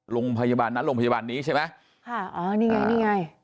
โรงพยาบาลนั้นโรงพยาบาลนี้ใช่ไหมค่ะอ๋อนี่ไงนี่ไง